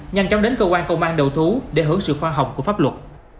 nhanh chóng đến cơ quan công an đầu thú để hướng sự khoa học của pháp luật